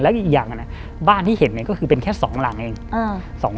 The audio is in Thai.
แล้วอีกอย่างเนี่ยบ้านที่เห็นเนี่ยก็คือเป็นแค่๒หลังเอง